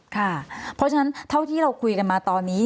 ค่ะเพราะฉะนั้นเท่าที่เราคุยกันมาตอนนี้